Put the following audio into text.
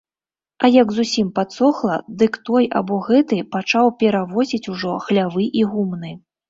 А як зусім падсохла, дык той або гэты пачаў перавозіць ужо хлявы і гумны.